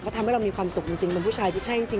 ทำให้เรามีความสุขจริงเป็นผู้ชายที่ใช่จริง